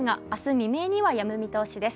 未明にはやむ見通しです。